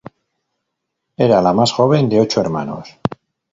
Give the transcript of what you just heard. Era la más joven de ocho hermanos.